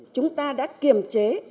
chúng ta đã kiềm chế